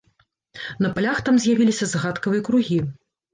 На палях там з'явіліся загадкавыя кругі.